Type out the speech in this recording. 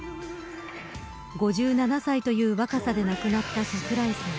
５７歳という若さで亡くなった櫻井さん。